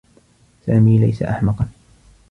سامي ليس أحمقا.